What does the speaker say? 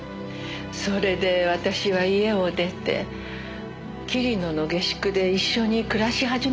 それで私は家を出て桐野の下宿で一緒に暮らし始めたの。